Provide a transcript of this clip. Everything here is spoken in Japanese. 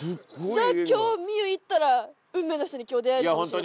じゃあ今日望結行ったら運命の人に今日出会えるかもしれない。